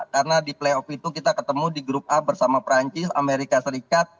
karena di playoff itu kita ketemu di grup a bersama perancis amerika serikat